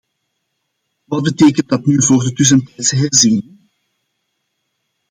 Wat betekent dat nu voor de tussentijdse herziening?